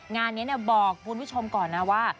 งานนี้บอกคุณผู้ชมก่อนนะว่า